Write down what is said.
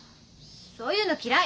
そういうの嫌い！